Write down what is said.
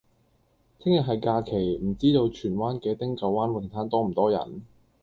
聽日係假期，唔知道荃灣嘅汀九灣泳灘多唔多人？